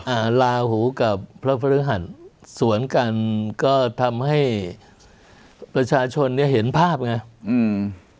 อ่าลาหูกับพระพฤหัสสวนกันก็ทำให้ประชาชนเนี้ยเห็นภาพไงอืม